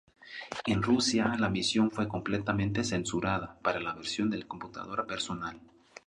En Rusia, la misión fue completamente censurada para la versión de computadora personal.